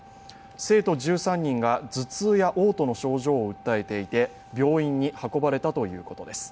生徒１３人が頭痛やおう吐の症状を訴えていて、病院に運ばれたということです。